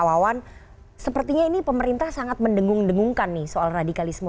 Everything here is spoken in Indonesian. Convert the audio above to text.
pak wawan sepertinya ini pemerintah sangat mendengung dengungkan nih soal radikalisme